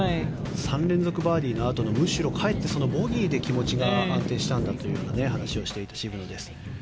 ３連続バーディーのあとのかえってボギーで気持ちが安定したんだというような話をしていた渋野。